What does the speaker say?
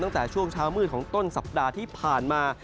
ตั้งแต่ช่วงเช้ามืดของต้นสัปดาห์ที่ผ่านมา